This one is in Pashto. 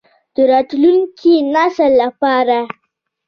د راتلونکي نسل لپاره.